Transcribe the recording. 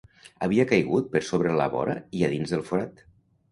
Havia caigut per sobre la vora i a dins del forat.